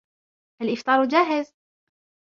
الإفطار جاهز.